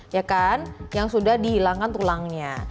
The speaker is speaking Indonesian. ya kan yang sudah dihilangkan tulangnya